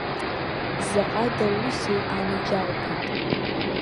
Заҟа дауузеи, анаџьалбеит!